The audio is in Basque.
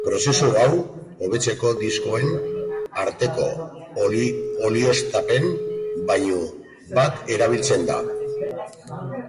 Prozesu hau hobetzeko diskoen arteko olioztapen-bainu bat erabiltzen da.